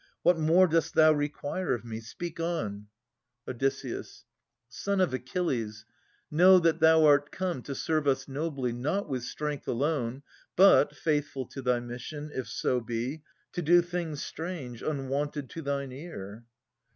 What more dost thou require of me ? Speak on. 50 79] Philodetes 269 Od. Son of Achilles, know that thou art come To serve us nobly, not with strength alone, But, faithful to thy mission, if so be, To do things strange, unwonted to thine ear.